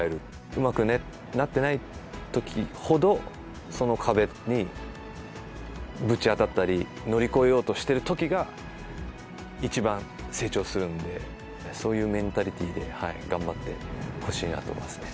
うまくなってないときほど、その壁にぶち当たったり、乗り越えようとしてるときが、一番成長するんで、そういうメンタリティーで頑張ってほしいなと思いますね。